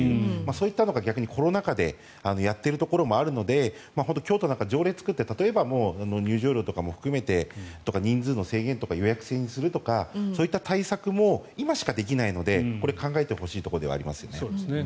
そういうのがコロナ禍でやっているところもあるので京都なんか条例を作って例えば、入場料を含めて人数の制限とか予約制にするとかそういった対策も今しかできないので考えてほしいところではありますよね。